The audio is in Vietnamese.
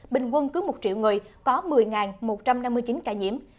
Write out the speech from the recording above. bình quân cứ một triệu người có một mươi một trăm năm mươi chín ca nhiễm